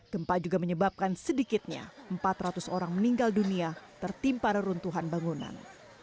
gempa juga menyebabkan sedikitnya empat ratus orang meninggal dunia tertimpa reruntuhan bangunan